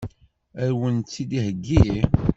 Ad wen-tt-id-theggi?